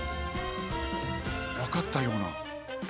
わかったような。